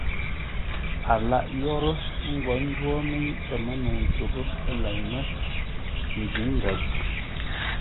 A lâʼ yórə́, ə́ ngwo ńjwó mə́i pəmə́nəu ntoghʼə́ lei mə́, ndǐ nzeʼ.